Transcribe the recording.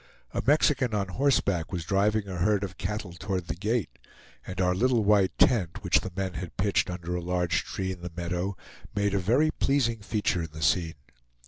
A Mexican on horseback was driving a herd of cattle toward the gate, and our little white tent, which the men had pitched under a large tree in the meadow, made a very pleasing feature in the scene.